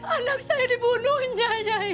anak saya dibunuhnya